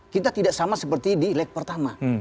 kita tidak sama seperti di leg pertama